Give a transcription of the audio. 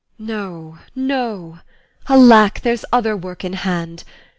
No, no! Alack, There's other work in hand.